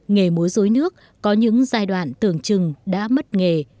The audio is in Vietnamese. nghề muối dối nước có những giai đoạn tưởng chừng đã mất nghề